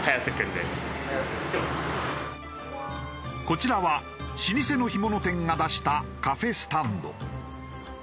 こちらは老舗の干物店が出したカフェスタンド。